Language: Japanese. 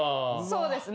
そうです。